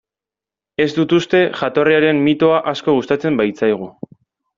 Ez dut uste, jatorriaren mitoa asko gustatzen baitzaigu.